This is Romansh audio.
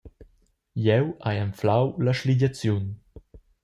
Jeu hai anflau la sligiaziun.